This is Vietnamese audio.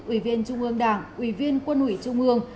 ủy viên trung ương đảng ủy viên quân ủy trung ương